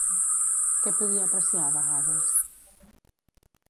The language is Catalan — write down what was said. Què podia apreciar a vegades?